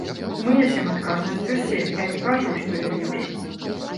Мы нясем адказнасць усе, я не кажу, што я лепшы.